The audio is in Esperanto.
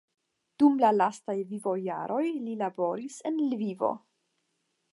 Dum la lastaj vivojaroj li laboris en Lvivo.